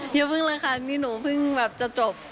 อย่าเพิ่งเลยค่ะนี่หนูเพิ่งแบบจะจบ